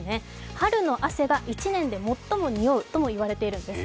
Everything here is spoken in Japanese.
春の汗が１年で最もにおうともいわれているんです。